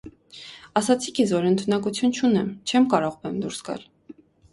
- Ասացի քեզ, որ ընդունակություն չունեմ, չեմ կարող բեմ դուրս գալ: